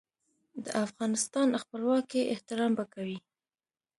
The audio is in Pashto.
د افغانستان خپلواکۍ احترام به کوي.